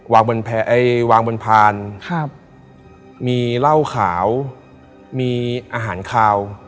วางบนพานครับมีเหล้าขาวมีอาหารคาว